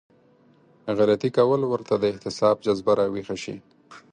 غلطي کول ورته د احتساب جذبه راويښه شي.